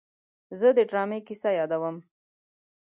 زه د ډرامې کیسه یادوم.